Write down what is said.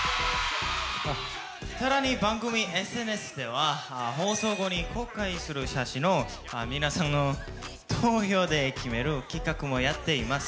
更に番組ＳＮＳでは放送後に公開する写真を皆さんの投票で決める企画もやっています。